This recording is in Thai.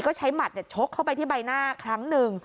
ก็ใช้หมัดชกเข้าไปที่ใบหน้าครั้งหนึ่ง